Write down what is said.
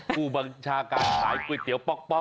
ผู้บัญชาการขายก๋วยเตี๋ป๊อก